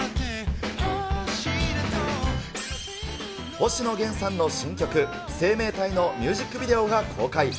星野源さんの新曲、生命体のミュージックビデオが公開。